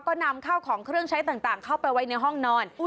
ก็นำข้าวของเครื่องใช้ต่างเข้าไปไว้ในห้องนอน